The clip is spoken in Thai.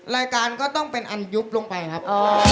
รายการก็ต้องเป็นอันยุบลงไปครับ